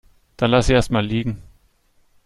Dann lass sie erst mal liegen.